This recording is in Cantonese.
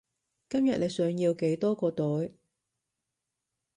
今日你想要幾多個袋？